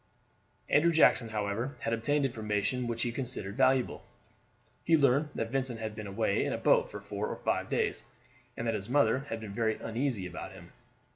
Andrew Jackson, however, had obtained information which he considered valuable. He learned that Vincent had been away in a boat for five days, and that his mother had been very uneasy about him.